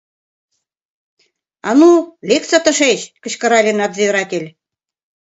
— А ну, лекса тышеч! — кычкырале надзиратель.